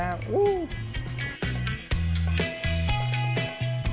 ขอบคุณค่ะ